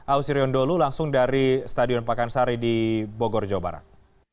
ausirion dholu langsung dari stadion pakansari di bogor jawa barat